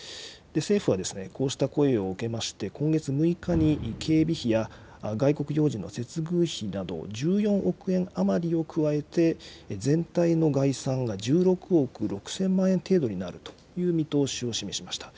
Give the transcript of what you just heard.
政府はこうした声を受けまして、今月６日に警備費や外国要人の接遇費など、１４億円余りを加えて、全体の概算が１６億６０００万円程度になるという見通しを示しました。